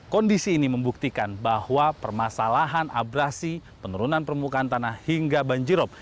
kondisi ini membuktikan bahwa permasalahan abrasi penurunan permukaan tanah hingga banjirop